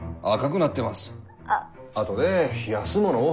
あとで冷やすものを。